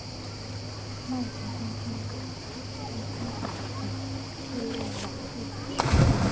麦国栋毕业于爱丁堡的赫瑞瓦特大学。